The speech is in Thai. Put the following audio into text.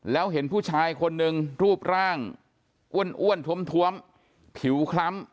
แล้วเห็นผู้ชายคนนึงรูปร่างอ้วนท้วมผิวคล้ำ